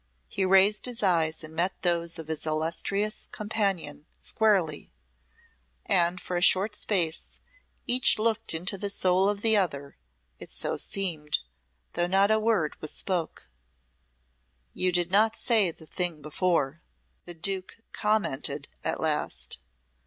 He raised his eyes and met those of his illustrious companion squarely, and for a short space each looked into the soul of the other, it so seemed, though not a word was spoke. "You did not say the thing before," the Duke commented at last.